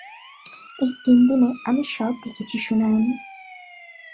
এই তিন দিনে আমি সব দেখেছি সুনয়নী।